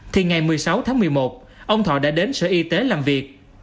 thì ngày một mươi sáu tháng một mươi một ông thọ đã đến sở y tế làm việc